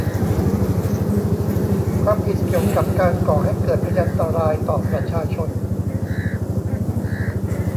ความผิดเกี่ยวกับการก่อให้เกิดภยันตรายต่อประชาชน